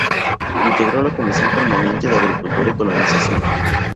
Integró la Comisión Permanente de Agricultura y Colonización.